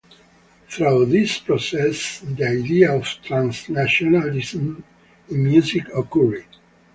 Through this process the idea of transnationalism in music occurred.